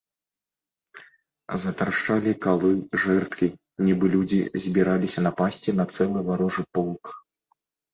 Затрашчалі калы, жэрдкі, нібы людзі збіраліся напасці на цэлы варожы полк.